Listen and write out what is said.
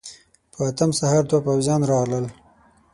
په اتم سهار دوه پوځيان راغلل.